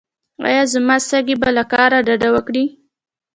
ایا زما سږي به له کار ډډه وکړي؟